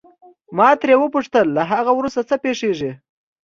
ما ترې وپوښتل له هغه وروسته څه پېښیږي.